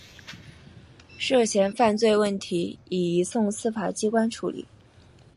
涉嫌犯罪问题已移送司法机关处理。